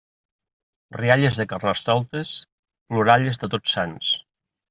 Rialles de Carnestoltes, ploralles de Tots Sants.